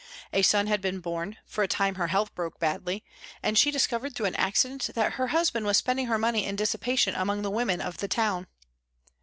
A son had been born, for a time her health broke badly, and she discovered through an accident that her husband was spending her money in dissipation among the women of the town.